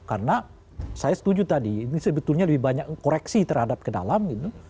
karena saya setuju tadi ini sebetulnya lebih banyak koreksi terhadap ke dalam gitu